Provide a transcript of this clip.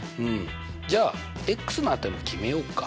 じゃあの値も決めようか。